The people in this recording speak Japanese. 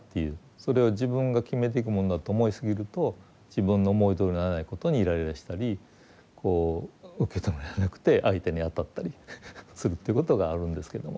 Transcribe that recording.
それを自分が決めていくもんだと思いすぎると自分の思いどおりにならないことにイライラしたりこう受け止められなくて相手に当たったりするということがあるんですけども。